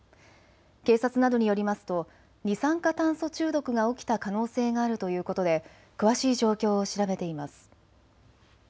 警察などによりますと二酸化炭素中毒が起きた可能性があるということで詳しい状況を調べています。